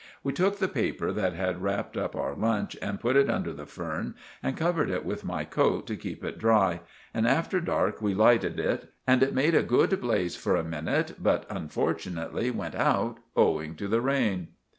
We took the paper that had rapped up our lunch, and put it under the fern, and covered it with my coat to keep it dry; and after dark we lighted it, and it made a good blaze for a minute but unfortunately went out owing to the rain.